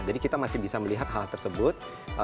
jadi kita masih bisa melihat hal tersebut